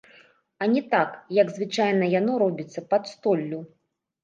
А не так, як звычайна яно робіцца пад столлю.